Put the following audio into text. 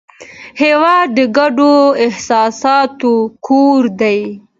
هېواد د ګډو احساساتو کور دی.